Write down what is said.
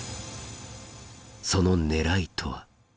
そのねらいとは？